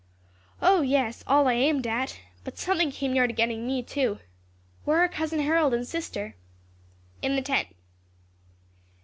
"O, yes, all I aimed at. But something came near getting me, too. Where are Cousin Harold and sister?" "In the tent."